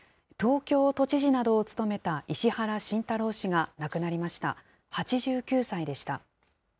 東京都知事などを務めた石原慎太郎氏が亡くなりました。